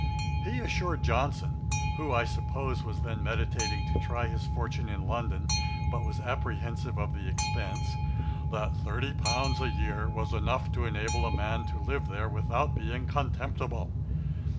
He assured Johnson, who, I suppose, was then meditating to try his fortune in London, but was apprehensive of the expence, 'that thirty pounds a year was enough to enable a man to live there without being contemptible.